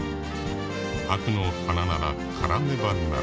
悪の花なら刈らねばならぬ。